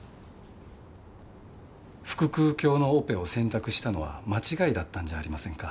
腹腔鏡のオペを選択したのは間違いだったんじゃありませんか？